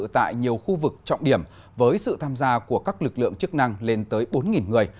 tại nhiều khu vực trọng điểm với sự tham gia của các lực lượng chức năng lên tới bốn người